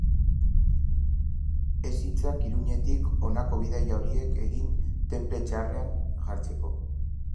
Ez itzak Iruñetik honako bidaia horiek egin tenple txarrean jartzeko.